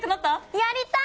やりたい！